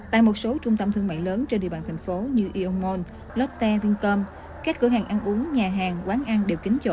tại một số trung tâm thương mại lớn trên địa bàn thành phố như ionmont lotte vincom các cửa hàng ăn uống nhà hàng quán ăn đều kính chỗ